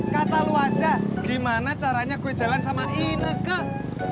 kata lo aja gimana caranya gue jalan sama ine kak